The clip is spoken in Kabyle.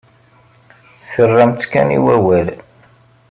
Terramt-tt kan i wawal.